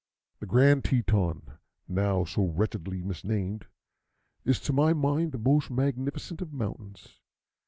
The Grand Teton, now so wretchedly mis named, is to my mind the most magnificent of mountains.